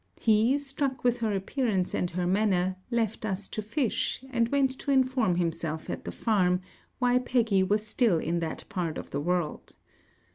He, struck with her appearance and her manner, left us to fish, and went to inform himself at the farm why Peggy was still in that part of the world.